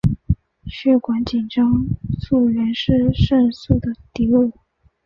血管紧张素原是肾素的底物。